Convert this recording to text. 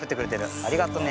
ありがとね。